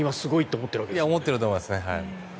思っていると思いますね。